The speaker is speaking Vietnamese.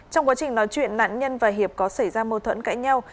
trong quá trình nói chuyện nạn nhân và hiệp có xảy ra mâu thuẫn cãi nhau